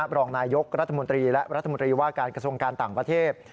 รองนายกรัฐมนตรีและรัฐมนตรีว่าการกระทรวงการต่างประเทศ